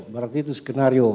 berarti itu skenario